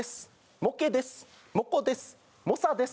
モケです